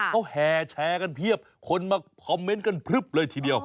เขาแห่แชร์กันเพียบคนมาคอมเมนต์กันพลึบเลยทีเดียว